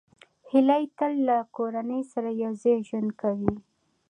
هیلۍ تل له کورنۍ سره یوځای ژوند کوي